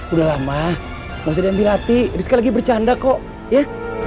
udah lama gak usah diambil hati rizka lagi bercanda kok ya